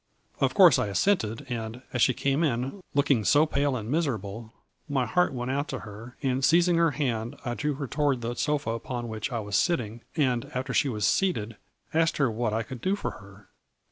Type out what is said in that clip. Of course I assented, and, as she came in, looking so pale and miserable, my heart went out to her, and seizing her hand I drew her toward the sofa upon which I was sitting, and after she was seated, asked her what I could do for her."